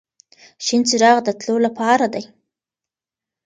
شین څراغ د تلو لپاره دی.